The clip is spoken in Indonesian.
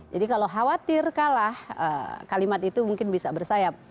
jadi kalau khawatir kalah kalimat itu mungkin bisa bersayap